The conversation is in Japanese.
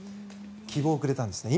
希望をくれたんですね。